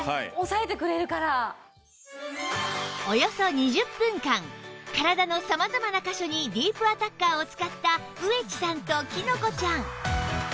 およそ２０分間体の様々な箇所にディープアタッカーを使った上地さんときのこちゃん